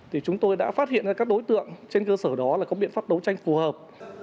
thì chúng tôi đã phát hiện ra các đối tượng trên cơ sở đó là có biện pháp đấu tranh phù hợp